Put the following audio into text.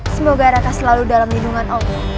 semoga raka selalu dalam lindungan allah